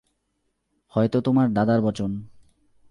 হয়তো তোমার দাদার বচন।